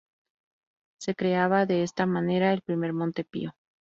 Se creaba de esta manera el primer Montepío.